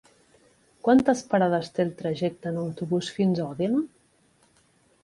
Quantes parades té el trajecte en autobús fins a Òdena?